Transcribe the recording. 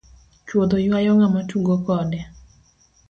Choudho ywayo ng'ama tugo kode.